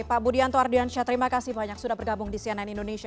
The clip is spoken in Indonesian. pak budianto ardiansyah terima kasih banyak sudah bergabung di cnn indonesia